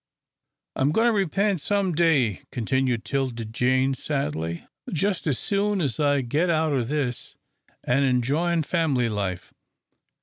"I'm goin' to repent some day," continued 'Tilda Jane, sadly, "just as soon as I get out o' this, an' enjoyin' fam'ly life.